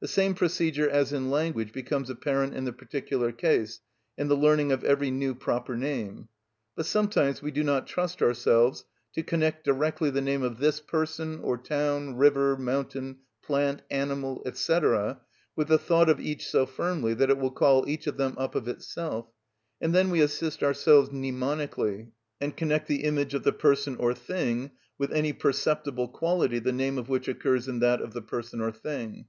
The same procedure as in language becomes apparent in the particular case, in the learning of every new proper name. But sometimes we do not trust ourselves to connect directly the name of this person, or town, river, mountain, plant, animal, &c., with the thought of each so firmly that it will call each of them up of itself; and then we assist ourselves mnemonically, and connect the image of the person or thing with any perceptible quality the name of which occurs in that of the person or thing.